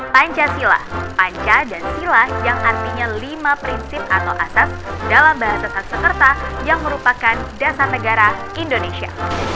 pancasila panca dan sila yang artinya lima prinsip atau asas dalam bahasa taksekerta yang merupakan dasar negara indonesia